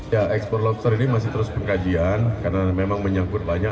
ya ekspor lobster ini masih terus pengkajian karena memang menyangkut banyak